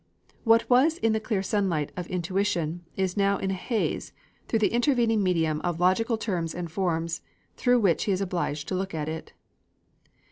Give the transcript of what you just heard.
What was in the clear sunlight of intuition, is now in a haze, through the intervening medium of logical terms and forms, through which he is obliged to look at it.